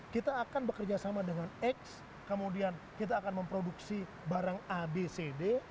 kita akan bekerja sama dengan x kemudian kita akan memproduksi barang a b c d